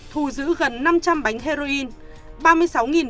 thù giữ gần năm trăm linh bánh heroin